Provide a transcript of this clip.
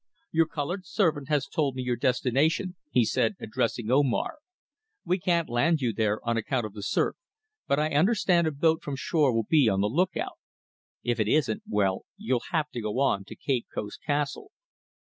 "Your coloured servant has told me your destination," he said, addressing Omar. "We can't land you there on account of the surf, but I understand a boat from shore will be on the look out. If it isn't, well, you'll have to go on to Cape Coast Castle."